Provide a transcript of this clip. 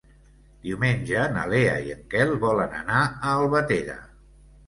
Diumenge na Lea i en Quel volen anar a Albatera.